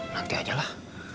nanti aja lah